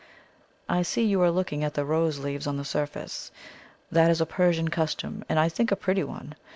I see you are looking at the rose leaves on the surface. That is a Persian custom, and I think a pretty one.